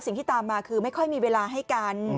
สิ่งที่ตามมาคือไม่ค่อยมีเวลาให้กัน